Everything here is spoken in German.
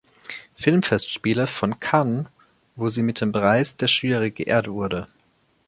Filmfestspiele von Cannes, wo sie mit dem Preis der Jury geehrt wurde.